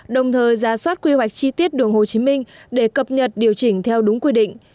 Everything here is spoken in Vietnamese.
đồng thời ra soát quy hoạch chi tiết đường hồ chí minh để cập nhật điều chỉnh theo đúng quy định